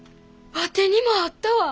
ワテにもあったわ！